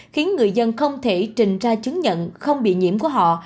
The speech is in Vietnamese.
khiến người dân không thể trình ra chứng nhận không bị nhiễm của họ